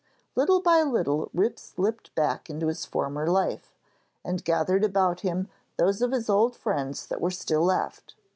Little by little Rip slipped back into his former life, and gathered about him those of his old friends that were still left.